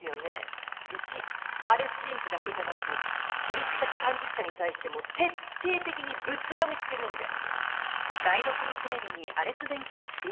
うちアレス電機だけじゃなく取引先３０社に対しても徹底的にブツ読みしてるんで。